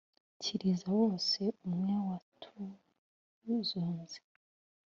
Kiriza bose, umwe watuzonze